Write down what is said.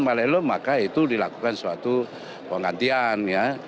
malelo maka itu dilakukan suatu penggantian ya